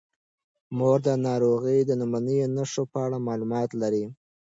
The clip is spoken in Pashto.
مور د ناروغۍ د لومړنیو نښو په اړه معلومات لري.